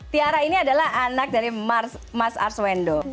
tiara ini adalah anak dari mas arswendo